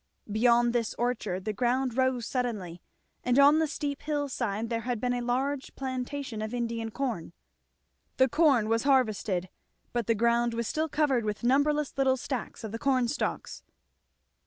Beyond this orchard the ground rose suddenly, and on the steep hill side there had been a large plantation of Indian corn. The corn was harvested, but the ground was still covered with numberless little stacks of the corn stalks.